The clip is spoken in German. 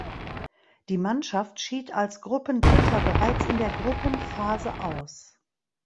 Die Mannschaft schied als Gruppendritter bereits in der Gruppenphase aus.